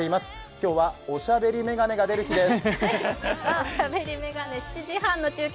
今日はおしゃべりメガネが出る日です。